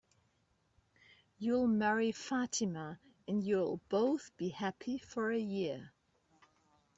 You'll marry Fatima, and you'll both be happy for a year.